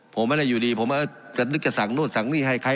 ผมไม่ได้อยู่ดีผมจะนึกจะสั่งนู่นสั่งนี่ให้ใคร